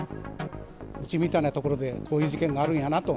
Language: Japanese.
うちみたいなところでこういう事件があるんやなと。